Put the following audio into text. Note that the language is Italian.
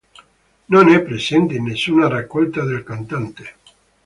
Non è presente in nessuna raccolta del cantante.